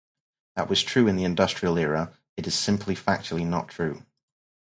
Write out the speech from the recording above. That was true in the industrial era; it is simply factually not true.